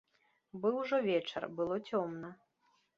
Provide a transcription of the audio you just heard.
Быў ужо вечар, было цёмна.